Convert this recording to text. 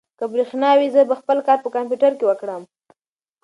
که برېښنا وي، زه به خپل کار په کمپیوټر کې وکړم.